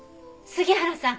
杉原さん